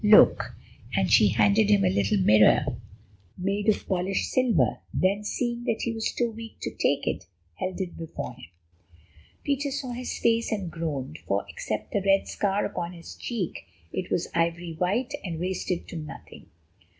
Look!" And she handed him a little mirror made of polished silver, then, seeing that he was too weak to take it, held it before him. Peter saw his face, and groaned, for, except the red scar upon his cheek, it was ivory white and wasted to nothing.